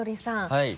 はい。